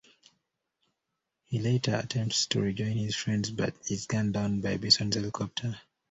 He later attempts to rejoin his friends, but is gunned down by Bison's helicopter.